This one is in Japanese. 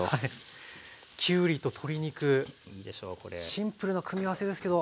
シンプルな組み合わせですけど。